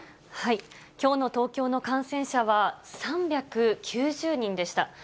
きょうの東京の感染者は３９０人でした。